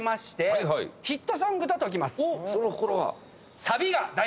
その心は？